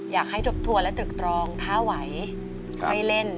อยากให้ตกทัวร์และตึกตรองถ้าไหวไม่เล่นพี่ไม่อยากให้น้องกดดันตัวเอง